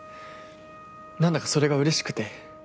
何だかそれがうれしくて。